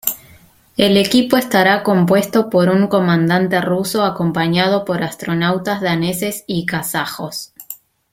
El equipo estará compuesto por un comandante ruso acompañado por astronautas daneses y kazajos.